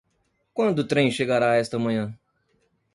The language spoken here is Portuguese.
Quando o trem chegará esta manhã?